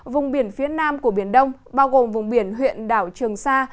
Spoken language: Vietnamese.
vùng biển phía nam của biển đông bao gồm vùng biển huyện đảo trường sa